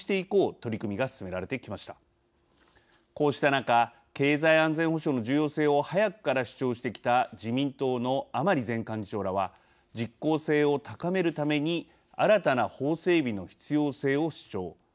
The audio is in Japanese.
こうした中、経済安全保障の重要性を早くから主張してきた自民党の甘利前幹事長らは実効性を高めるために新たな法整備の必要性を主張。